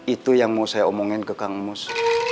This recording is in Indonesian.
itu yang mau saya omongin ke kang mus